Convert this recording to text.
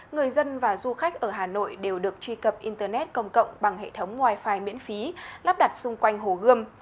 người dân và du khách ở hà nội đều được truy cập internet công cộng bằng hệ thống wifi miễn phí lắp đặt xung quanh hồ gươm